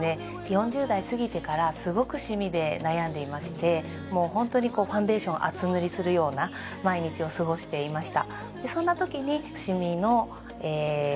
４０代過ぎてからすごくシミで悩んでいましてもうホントにこうファンデーションを厚塗りするような毎日を過ごしていました